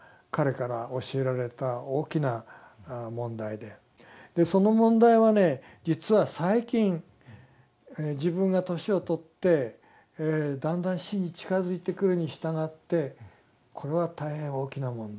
でその問題はね実は最近自分が年を取ってだんだん死に近づいてくるに従ってこれは大変大きな問題。